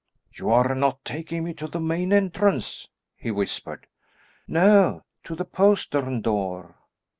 "You are not taking me to the main entrance," he whispered. "No, to the postern door."